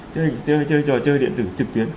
chơi trò chơi điện tử trực tuyến